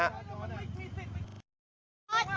ไม่มีสิทธิไปขุนรถเขา